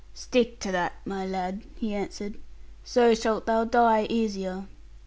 'Stick to that, my lad,' he answered; 'so shalt thou die easier.